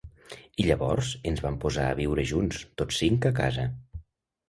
I llavors ens vam posar a viure junts, tots cinc a casa.